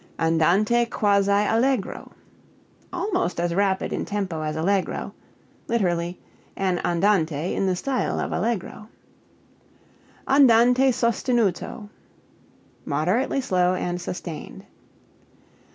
Andante quasi allegro almost as rapid in tempo as allegro; (lit. an andante in the style of allegro). Andante sostenuto moderately slow and sustained.